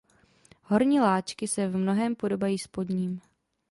Horní láčky se v mnohém podobají spodním.